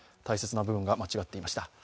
大切な部分が間違っていました。